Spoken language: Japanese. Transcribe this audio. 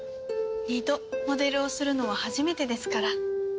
二度モデルをするのは初めてですから。